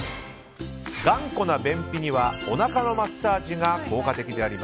頑固な便秘にはおなかのマッサージが効果的。